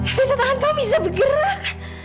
evita tangankamu bisa bergerak